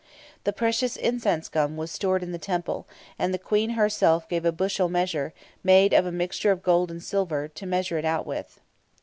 The precious incense gum was stored in the temple, and the Queen herself gave a bushel measure, made of a mixture of gold and silver, to measure it out with.